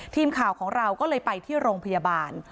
ทีมข่าวของเราก็เลยไปที่โรงพยาบาล